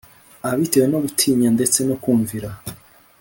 abitewe no gutinya ndetse no kumvira